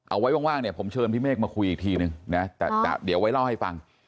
ว่างเนี่ยผมเชิญพี่เมฆมาคุยอีกทีนึงนะแต่เดี๋ยวไว้เล่าให้ฟัง